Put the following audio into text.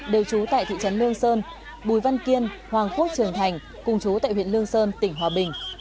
trú tại thị trấn lương sơn bùi văn kiên hoàng khuất trường thành cùng trú tại huyện lương sơn tỉnh hòa bình